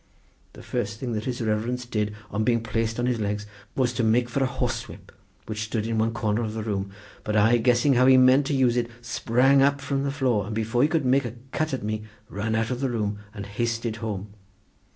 The first thing that his reverence did, on being placed on his legs, was to make for a horsewhip, which stood in one corner of the room, but I guessing how he meant to use it, sprang up from the floor, and before he could make a cut at me, ran out of the room, and hasted home.